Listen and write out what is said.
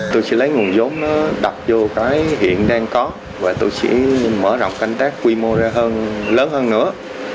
tôi sẽ lấy nguồn giống nó đập vô cái hiện đang có và tôi sẽ mở rộng canh tác quy mô ra hơn lớn hơn nữa